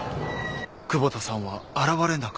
窪田さんは現れなかった。